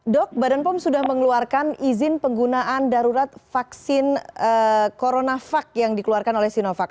dok badan pom sudah mengeluarkan izin penggunaan darurat vaksin coronavac yang dikeluarkan oleh sinovac